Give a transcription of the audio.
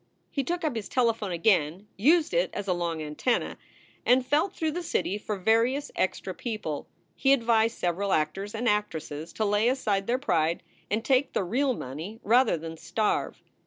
He took up his telephone again, used it as a long antenna, and felt through the city for various extra people. He advised several actors and actresses to lay aside their pride and take the real money rather than starve.